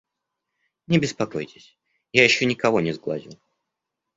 Не беспокойтесь, я еще никого не сглазил.